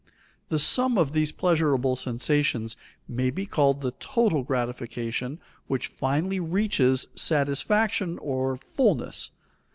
The sum of these pleasurable sensations may be called the total gratification, which finally reaches satisfaction or fullness.